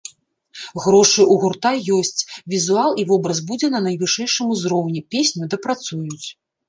Грошы ў гурта ёсць, візуал і вобраз будзе на найвышэйшым узроўні, песню дапрацуюць.